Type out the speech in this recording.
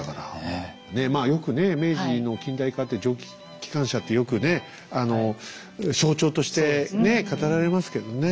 まあよくね明治の近代化って蒸気機関車ってよくね象徴として語られますけどね